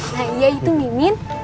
nah iya itu mimin